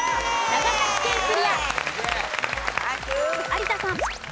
有田さん。